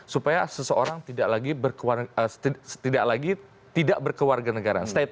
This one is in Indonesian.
supaya seseorang tidak lagi berkewarganegaraan